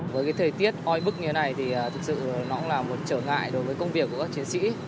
với cái thời tiết oi bức như thế này thì thực sự nó cũng là một trở ngại đối với công việc của các chiến sĩ